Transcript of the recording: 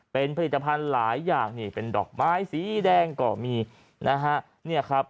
เป็นผลิตภัณฑ์หลายอย่างเป็นดอกไม้สีแดงก่อมีนะฮะ